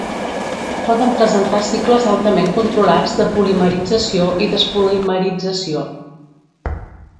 Poden presentar cicles altament controlats de polimerització i despolimerització.